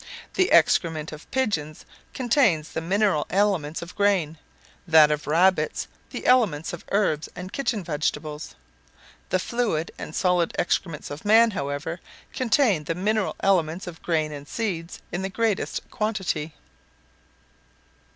The excrement of pigeons contains the mineral elements of grain; that of rabbits, the elements of herbs and kitchen vegetables. The fluid and solid excrements of man, however, contain the mineral elements of grain and seeds in the greatest quantity.